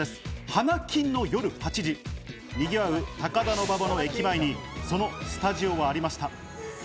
花金の夜８時、にぎわう、高田馬場駅前にそのスタジオはありました。